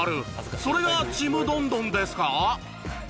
それがちむどんどんですか？